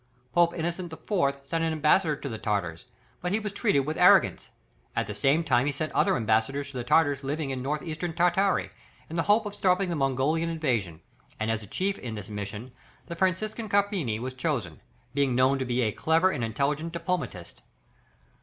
Pope Innocent IV. sent an ambassador to the Tartars, but he was treated with arrogance; at the same time he sent other ambassadors to the Tartars living in North Eastern Tartary, in the hope of stopping the Mongolian invasion, and as chief in this mission, the Franciscan Carpini was chosen, being known to be a clever and intelligent diplomatist.